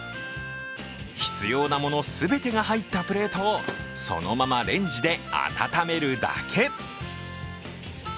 必要なもの全てが入ったプレートをそのままレンジで温めるだけ。